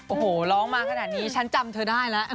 โอ้โหร้องมาขนาดนี้ฉันจำเธอได้แล้ว